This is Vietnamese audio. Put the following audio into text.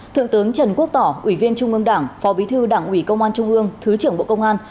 thượng tướng trần quốc tỏ ủy viên trung ương đảng phó bí thư đảng ủy công an trung ương thứ trưởng bộ công an